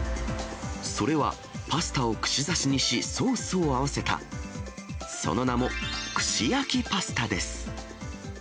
それは、パスタを串刺しにし、ソースを合わせた、その名も、串焼きパスタです。